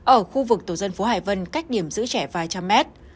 ở khu vực tổ dân phố hải vân cách điểm giữ trẻ vài trăm mét